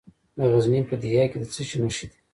د غزني په ده یک کې د څه شي نښې دي؟